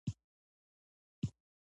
کلکان ولسوالۍ کوچنۍ ده؟